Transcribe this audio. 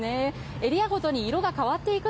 エリアごとに色が変わっていくっ